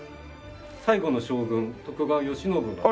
最後の将軍徳川慶喜が。